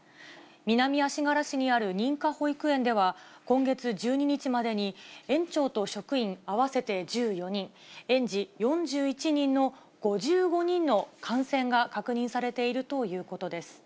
南足柄市にある認可保育園では、今月１２日までに園長と職員合わせて１４人、園児４１人の、５５人の感染が確認されているということです。